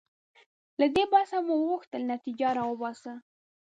له دې بحثه مو غوښتل نتیجه راوباسو.